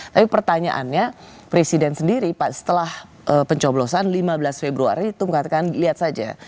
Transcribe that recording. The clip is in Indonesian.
tapi pertanyaannya presiden sendiri setelah pencoblosan lima belas februari itu mengatakan lihat saja